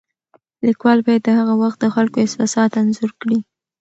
لیکوال باید د هغه وخت د خلکو احساسات انځور کړي.